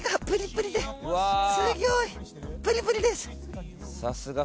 プリプリです！